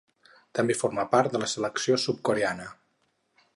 També forma part de la selecció sud-coreana.